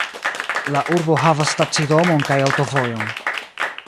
La urbo havas stacidomon kaj aŭtovojon.